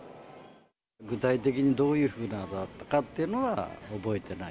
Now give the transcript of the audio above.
具体的にどういうふうだったかっていうのは、覚えてない。